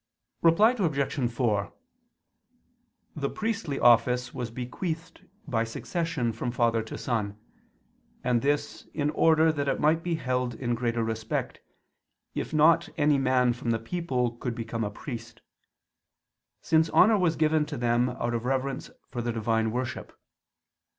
Reply Obj. 4: The priestly office was bequeathed by succession from father to son: and this, in order that it might be held in greater respect, if not any man from the people could become a priest: since honor was given to them out of reverence for the divine worship.